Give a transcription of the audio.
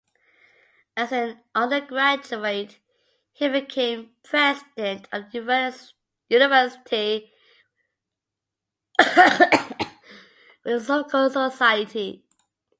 As an undergraduate, he became President of the University Philosophical Society.